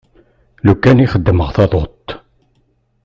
Lukan i xeddmeɣ taḍuṭ.